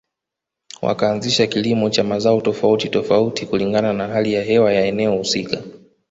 Wakaanzisha kilimo cha mazao tofauti tofauti kulingana na hali ya hewa ya eneo husika